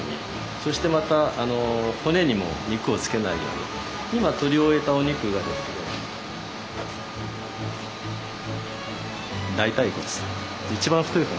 そしてまた骨にも肉をつけないように今取り終えたお肉がですね